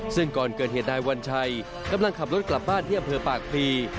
ซึ่งก่อนเกิดเหตุนายวัญชัยกำลังขับรถกลับบ้านที่อำเภอปากพลี